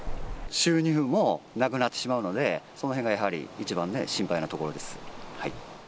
収入もなくなってしまうので、そのへんがやはり一番ね、心配なところです。